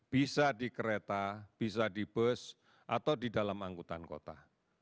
bisa di kereta bisa di bus atau di dalam angkutan kota